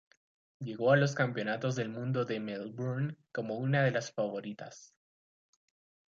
Llegó a los Campeonatos del Mundo de Melbourne como una de las favoritas.